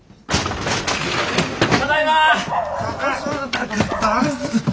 ただいま！